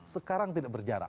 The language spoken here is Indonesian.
sekarang tidak berjarak